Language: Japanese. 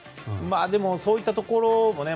そういったところもね